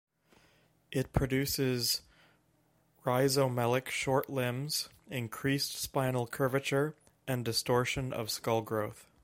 It produces rhizomelic short limbs, increased spinal curvature, and distortion of skull growth.